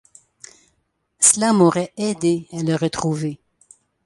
Cela m’aurait aidé à le retrouver.